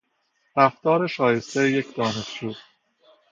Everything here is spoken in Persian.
رفتار شایستهی یک دانشجو